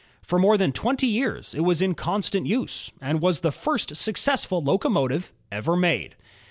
For more than twenty years it was in constant use, and was the first successful locomotive ever made.